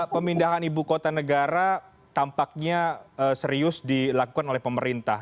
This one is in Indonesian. pemindahan ibu kota negara tampaknya serius dilakukan oleh pemerintah